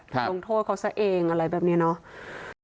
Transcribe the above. ลงโทษเขาซะเองอะไรแบบนี้เนาะ